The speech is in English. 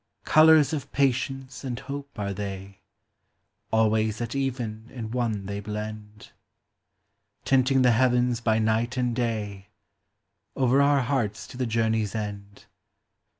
Colors of Patience and Hope are they — Always at even in one they blend ; LIFE. 271 Tinting the heavens by night and day, Over our hearts to the journey's end.